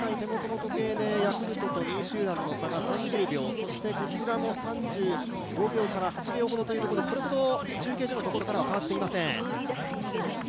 ヤクルトと２位集団の差が３０秒そしてこちらも３５秒から３８秒ほどというところでそれほど中継所から変わっていません。